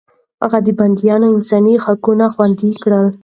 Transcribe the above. هغه د بنديانو انساني حقونه خوندي کړل.